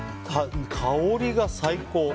香りが最高！